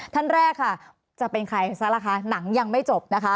ท่านแรกจะเป็นใครซะล่ะหนังยังไม่จบ